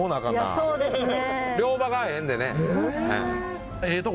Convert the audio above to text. いやそうですね。